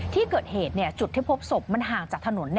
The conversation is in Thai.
ที่เกิดเหตุจุดที่พบศพมันห่างจากถนน